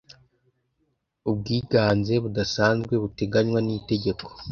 ubwiganze budasanzwe buteganywa n itegeko